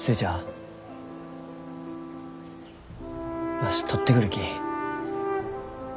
わし採ってくるき。